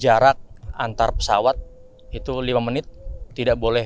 jarak antar pesawat itu lima menit